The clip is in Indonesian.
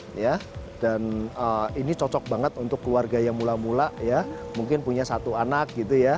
ini juga bisa diperbaiki untuk keluarga yang mulai mulai mungkin punya satu anak